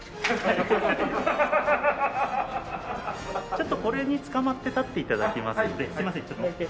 ちょっとこれにつかまって立って頂きますのですいませんちょっとだけ。